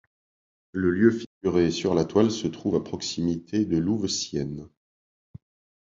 Le lieu figuré sur la toile se trouve à proximité de Louveciennes.